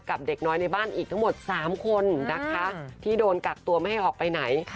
เด็กน้อยในบ้านอีกทั้งหมด๓คนนะคะที่โดนกักตัวไม่ให้ออกไปไหน